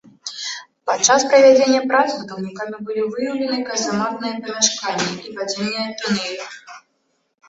Падчас правядзення прац, будаўнікамі былі выяўлены казематныя памяшканні і падземныя тунэлі.